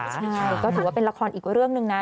ใช่ก็ถือว่าเป็นละครอีกเรื่องหนึ่งนะ